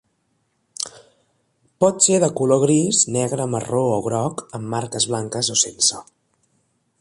Pot ser de color gris, negre marró o groc, amb marques blanques o sense.